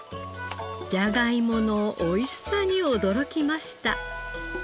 じゃがいものおいしさに驚きました。